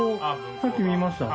さっき見ました。